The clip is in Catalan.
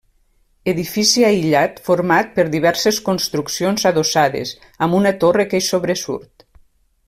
Edifici aïllat format per diverses construccions adossades, amb una torre que hi sobresurt.